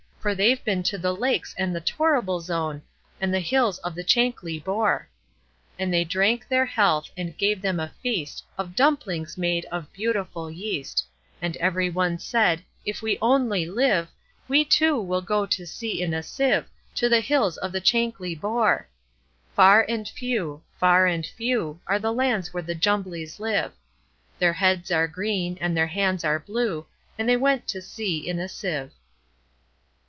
For they've been to the Lakes, and the Torrible Zone, And the hills of the Chankly Bore."And they drank their health, and gave them a feastOf dumplings made of beautiful yeast; And every one said, "If we only live, We, too, will go to sea in a sieve, To the hills of the Chankly Bore."Far and few, far and few, Are the lands where the Jumblies live:Their heads are green, and their hands are blue; And they went to sea in a sieve.